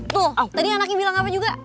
tuh oh tadi anaknya bilang apa juga